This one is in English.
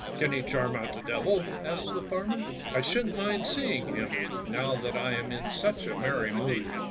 "Can he charm out the Devil?" asked the farmer. "I shouldn't mind seeing him, now that I am in such a merry mood."